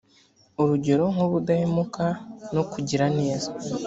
urugero nk ubudahemuka no kugira neza